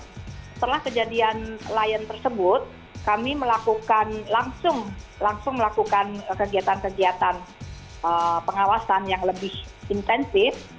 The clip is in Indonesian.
setelah kejadian lion tersebut kami melakukan langsung melakukan kegiatan kegiatan pengawasan yang lebih intensif